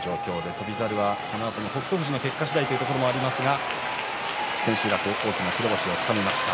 翔猿は、このあと北勝富士の結果次第というところもありますが千秋楽、大きな白星をつかみました。